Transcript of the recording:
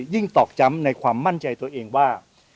ตอกย้ำในความมั่นใจตัวเองว่า